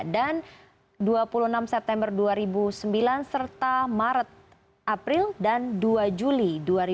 dan dua puluh enam september dua ribu sembilan serta maret april dan dua juli dua ribu tujuh belas